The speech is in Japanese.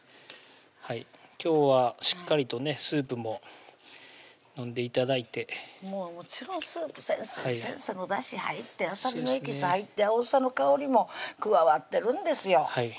今日はしっかりとねスープも飲んで頂いてもちろんスープ先生のだし入ってあさりのエキス入ってあおさの香りも加わってるんですよ